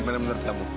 gimana menurut kamu